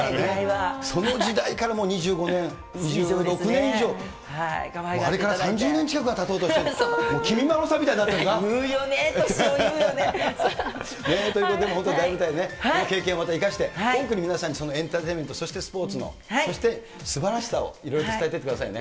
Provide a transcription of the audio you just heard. その時代からもう２５年、２６年以上、もうあれから３０年近くが立とうとしてる、もうきみ言うよね、年を言うよね。ということで、もう本当に大舞台ね、この経験をまた生かして、多くの皆さんにエンターテインメント、そしてスポーツのすばらしさをいろいろと伝えていってくださいね。